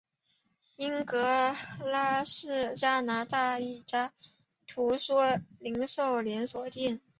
英迪戈是加拿大一家图书零售连锁店。